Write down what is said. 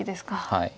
はい。